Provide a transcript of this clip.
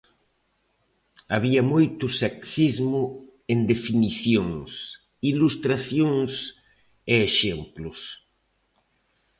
Había moito sexismo en definicións, ilustracións e exemplos.